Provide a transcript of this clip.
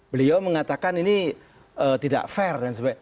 beliau mengatakan ini tidak fair dan sebagainya